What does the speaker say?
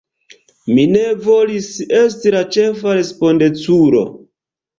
Mi ne volis esti la ĉefa respondeculo.